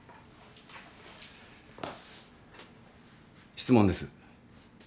質問です。